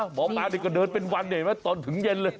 หมอปลานี่ก็เดินเป็นวันเห็นไหมตอนถึงเย็นเลย